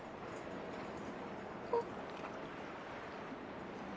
あっ。